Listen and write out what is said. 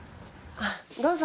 あっどうぞ。